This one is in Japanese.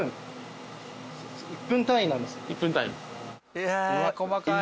えっ細かい！